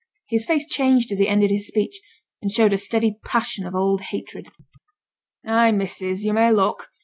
His face changed as he ended his speech, and showed a steady passion of old hatred. 'Ay, missus, yo' may look.